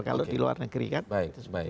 kalau di luar negeri kan